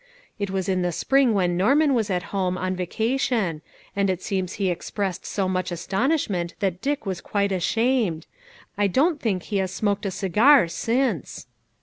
It was in the spring when Norman was at home on vacation, and it seems he expressed so much as tonishment that Dick was quite ashamed; I don't think he has smoked a cigar since."